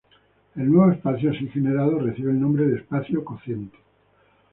El nuevo espacio así generado recibe el nombre de espacio cociente.